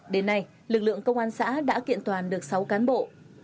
đến nay lực lượng công an xã đã kiện toàn được sáu cán bộ